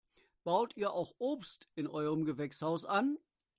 Baut ihr auch Obst in eurem Gewächshaus an?